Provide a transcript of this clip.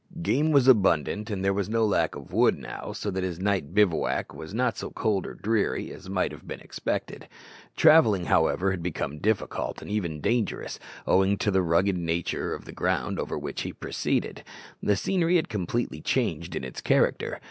Game was abundant, and there was no lack of wood now, so that his night bivouac was not so cold or dreary as might have been expected. Travelling, however, had become difficult, and even dangerous, owing to the rugged nature of the ground over which he proceeded. The scenery had completely changed in its character.